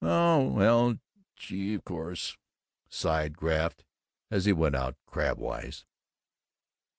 "Oh well gee of course " sighed Graff, as he went out, crabwise.